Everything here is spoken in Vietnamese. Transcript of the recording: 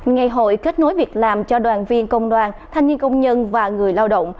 ngày hội kết nối việc làm cho đoàn viên công đoàn thanh niên công nhân và người lao động